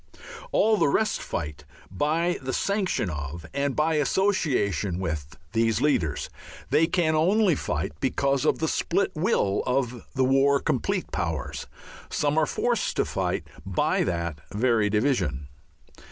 All the rest fight by the sanction of and by association with these leaders. They can only fight because of the split will of the war complete powers. Some are forced to fight by that very division.